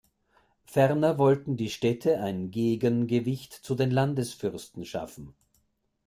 Ferner wollten die Städte ein Gegengewicht zu den Landesfürsten schaffen.